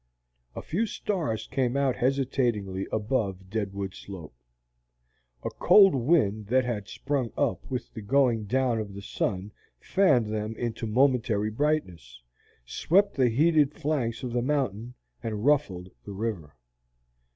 A few stars came out hesitatingly above Deadwood Slope. A cold wind that had sprung up with the going down of the sun fanned them into momentary brightness, swept the heated flanks of the mountain, and ruffled the river.